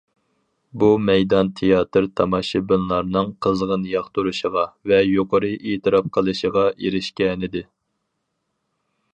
بۇ مەيدان تىياتىر تاماشىبىنلارنىڭ قىزغىن ياقتۇرۇشىغا ۋە يۇقىرى ئېتىراپ قىلىشىغا ئېرىشكەنىدى.